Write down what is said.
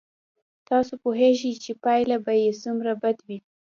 تاسو پوهېږئ چې پایله به یې څومره بد وي.